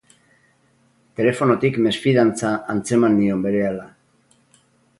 Telefonotik mesfidantza antzeman nion berehala.